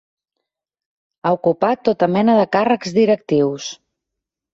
Ha ocupat tota mena de càrrecs directius.